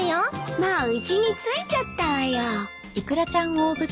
もううちに着いちゃったわよ。